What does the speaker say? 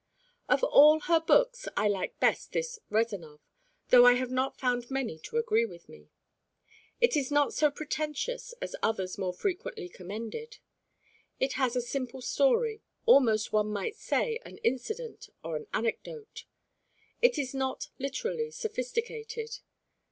Of all her books I like best this "Rezanov," though I have not found many to agree with me. It is not so pretentious as others more frequently commended. It is a simple story, almost one might say an incident or an anecdote. It is not literally sophisticated.